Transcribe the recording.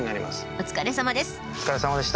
お疲れさまです。